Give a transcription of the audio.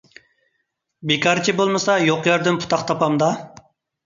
بىكارچى بولمىسا يوق يەردىن پۇتاق تاپامدا؟